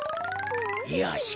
よし。